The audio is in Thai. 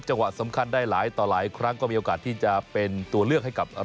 วะสำคัญได้หลายต่อหลายครั้งก็มีโอกาสที่จะเป็นตัวเลือกให้กับ